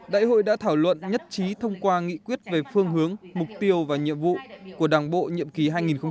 đại hội đã thảo luận nhất trí thông qua nghị quyết về phương hướng mục tiêu và nhiệm vụ của đảng bộ nhiệm kỳ hai nghìn hai mươi hai nghìn hai mươi năm